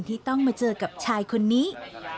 ที่ต้องมาเจอกับชายคนนี้